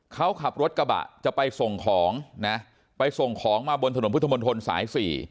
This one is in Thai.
เขาขับรถกระบะจะไปส่งของนะไปส่งของมาบนถนนพุทธมนตรสาย๔